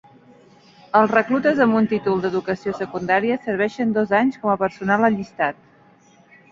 Els reclutes amb un títol d'Educació Secundària serveixen dos anys com a personal allistat.